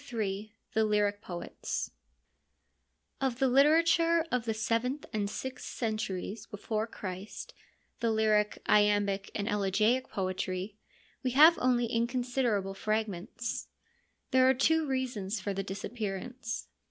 — The Lyric Poets Of the literature of the seventh and sixth centuries before Christ, the lyric, iambic and elegiac poetry, we have only inconsiderable fragments. There are two reasons for the disappearance.